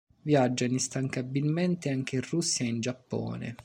Viaggia instancabilmente, anche in Russia e in Giappone.